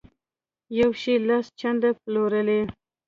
یو شی لس چنده پلوري.